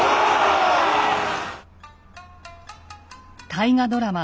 大河ドラマ